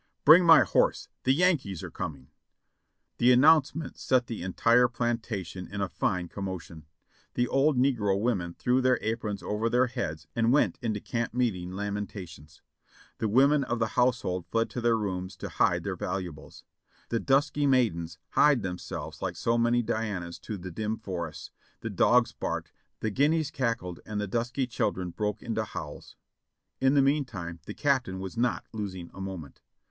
"Bring my horse; the Yankees are coming!" The announcement set the entire plantation in a fine commo tion. The old negro women threw their aprons over their heads and went into camp meeting lamentations ; the women of the household fled to their rooms to hide their valuables; the dusky maidens hied themselves like so many Dianas to the dim forests : the dogs barked, the guineas cackled and the dusky children broke into howls. In the meantime the Captain was not losing a moment.